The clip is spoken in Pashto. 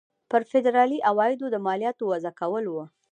پر فدرالي عوایدو د مالیاتو وضع کول وو.